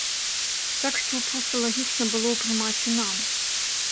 Так што, проста лагічна было прымаць і нам.